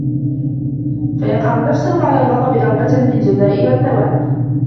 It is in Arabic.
فَيَقْهَرُ نَفْسَهُ عَلَى الْغَضَبِ رَغْبَةً فِي الْجَزَاءِ وَالثَّوَابِ